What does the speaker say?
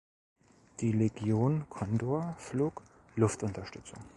Die Legion Condor flog Luftunterstützung.